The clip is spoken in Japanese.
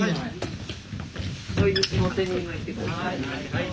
はい。